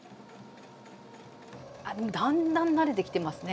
だんだん慣れてきてますね。